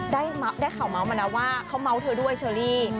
ได้ข่าวเม้ามานะว่าเค้ามเมาเธอด้วยเชอรี่